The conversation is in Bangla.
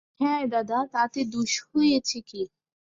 হাঁ দাদা, তাতে দোষ হয়েছে কী?